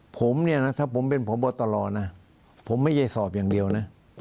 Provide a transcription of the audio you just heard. ผมเนี่ยนะถ้าผมเป็นพบตรนะผมไม่ใช่สอบอย่างเดียวนะ